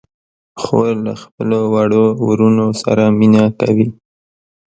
خور له خپلو وړو وروڼو سره مینه کوي.